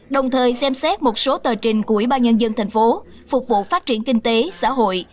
đồng thời xem xét một số tờ trình của ủy ban nhân dân thành phố phục vụ phát triển kinh tế xã hội